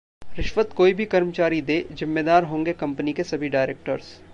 रिश्वत कोई भी कर्मचारी दे, जिम्मेदार होंगे कंपनी के सभी डायरेक्टर्स